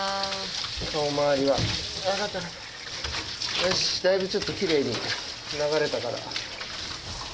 よしだいぶちょっと奇麗に流れたから。